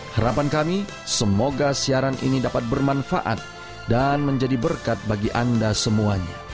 harapan kami semoga siaran ini dapat bermanfaat dan menjadi berkat bagi anda semuanya